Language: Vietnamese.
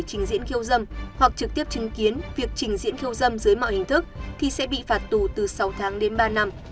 trình diễn khiêu dâm hoặc trực tiếp chứng kiến việc trình diễn khiêu dâm dưới mọi hình thức thì sẽ bị phạt tù từ sáu tháng đến ba năm